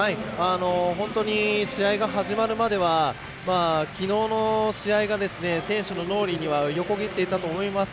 本当に試合が始まるまではきのうの試合が選手の脳裏には横切っていたと思います。